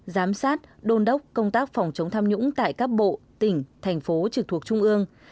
giám sát đôn đốc công tác phòng chống tham nhũng tại các bộ tỉnh thành phố trực thuộc trung ương